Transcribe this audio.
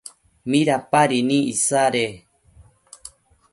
¿midapadibi isade?